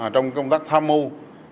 trong công tác tham mưu